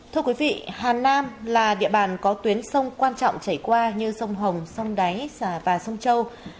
thưa quý vị hà nam là địa bàn có tuyến sông quan trọng chảy qua như sông hồng sông đáy sà và sông châu